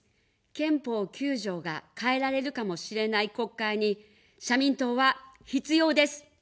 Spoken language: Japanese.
憲法９条が変えられるかもしれない国会に、社民党は必要です。